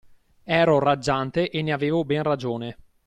Ero raggiante e ne avevo ben ragione!